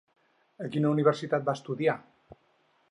A quina universitat va estudiar?